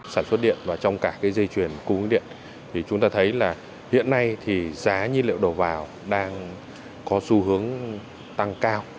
sản xuất điện và trong cả cái dây chuyển cung điện thì chúng ta thấy là hiện nay thì giá nhiên liệu đầu vào đang có xu hướng tăng cao